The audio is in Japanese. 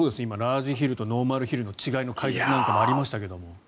今、ラージヒルとノーマルヒルの違いの解説なんかもありましたが。